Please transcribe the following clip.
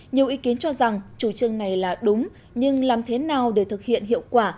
nhiều ý kiến cho rằng chủ trương này là đúng nhưng làm thế nào để thực hiện hiệu quả